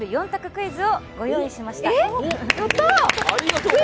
クイズをご用意しました。